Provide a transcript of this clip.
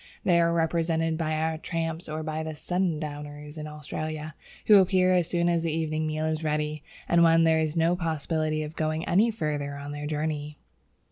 They are represented by our tramps or by the "sundowners" in Australia, who appear as soon as the evening meal is ready and when there is no possibility of going any further on their journey.